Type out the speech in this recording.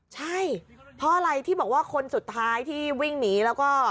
ใช่เพราะอะไรที่บอกว่าคนสุดท้ายที่วิ่งหนีแล้วก็